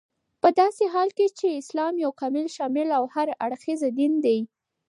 پداسي حال كې چې اسلام يو كامل، شامل او هر اړخيز دين دى